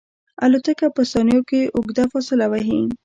الوتکه په ثانیو کې اوږده فاصله وهي.